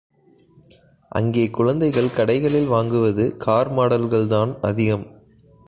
அங்கே குழந்தைகள் கடைகளில் வாங்குவது கார் மாடல்கள்தான் அதிகம்.